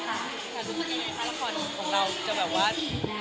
ของเราจะแบบว่าให้คนจีนได้โชว์ไปกัน